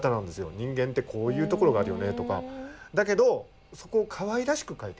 人間ってこういうところがあるよねとかだけどそこをかわいらしく書いてる。